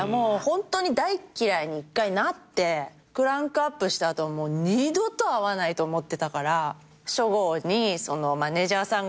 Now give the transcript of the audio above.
ホントに大っ嫌いに１回なってクランクアップした後二度と会わないと思ってたから初号にマネジャーさんがまず行って。